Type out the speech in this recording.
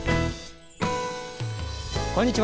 こんにちは。